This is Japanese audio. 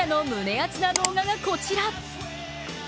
アツな動画がこちら。